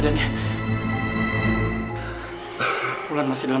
bener tuh neng